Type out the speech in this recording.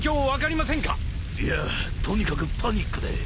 いやとにかくパニックで。